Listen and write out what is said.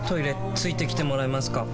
付いてきてもらえますか？